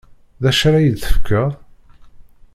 D acu ara yi-d-tefkeḍ?